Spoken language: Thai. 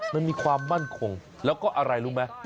มันมีความมั่นคงแล้วก็อะไรรู้ไหม